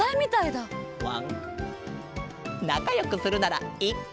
なかよくするならいっか！